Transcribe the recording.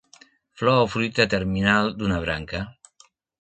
Flor o fruita terminal d'una branca.